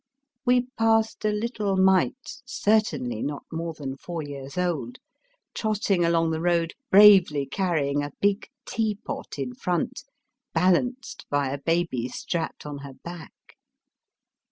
We passed a little mite, certainly not more than four years old, trotting along the road bravely carrying a big teapot in front, balanced by a baby strapped on her back.